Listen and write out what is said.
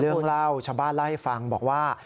เรื่องเล่าชาวบ้านเล่าให้ฟังบอกว่า